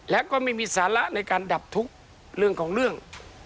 และก็ไม่มีสาระในการดับทุกข์เรื่องของเรื่อง